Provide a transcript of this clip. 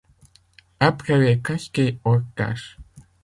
Après les Casquets, Ortach.